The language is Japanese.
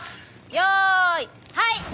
よいはい！